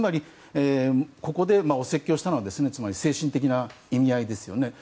ここでお説教したのは精神的な意味合いですよね。